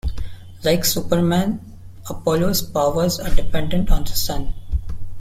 Like Superman, Apollo's powers are dependent on the sun.